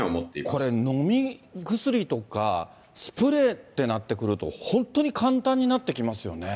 これ、飲み薬とかスプレーってなってくると本当に簡単になってきますよ